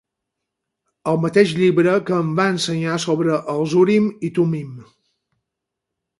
El mateix llibre que em va ensenyar sobre els urim i tummim.